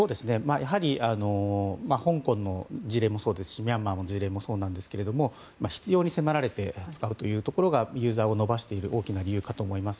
やはり香港の事例もそうですしミャンマーの事例もそうなんですけれども必要に迫られて使うというところがユーザーを伸ばしている大きな理由かと思います。